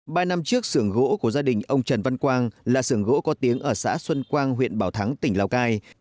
ba năm trước xưởng gỗ của gia đình ông trần văn quang là sưởng gỗ có tiếng ở xã xuân quang huyện bảo thắng tỉnh lào cai